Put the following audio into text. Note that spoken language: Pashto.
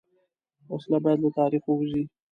وسله باید له تاریخ ووځي